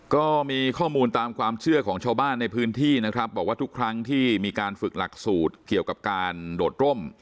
ก็มีข้อมูลตามความเชื่อของชาวบ้านในพื้นที่นะครับบอกว่าทุกครั้งที่มีการฝึกหลักสูตรเกี่ยวกับการโดดร่ม